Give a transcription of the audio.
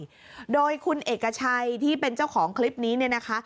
ด้วยโดยคุณเอกชัยที่เป็นเจ้าของคลิปนี้เนี่ยนะคะ